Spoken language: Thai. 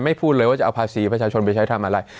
พูดเลยว่าจะเอาภาษีประชาชนไปใช้ทำอะไร